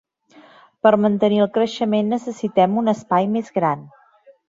Per a mantenir el creixement necessitem un espai més gran.